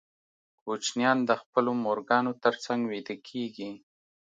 کوچنیان د خپلو مورګانو تر څنګ ویده کېږي.